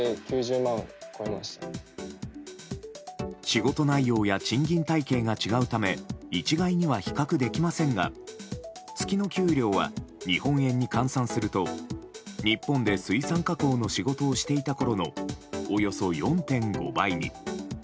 仕事内容や賃金体系が違うため一概には比較できませんが月の給料は日本円に換算すると日本で水産加工の仕事をしていたころのおよそ４．５倍に。